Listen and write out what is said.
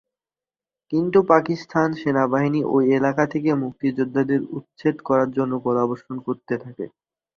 কিন্তু পাকিস্তান সেনাবাহিনী ওই এলাকা থেকে মুক্তিযোদ্ধাদের উচ্ছেদ করার জন্য গোলাবর্ষণ করতে থাকে।